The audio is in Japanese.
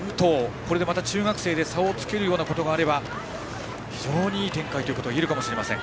これでまた中学生で差をつけるようなことがあれば非常に、いい展開といえるかもしれません。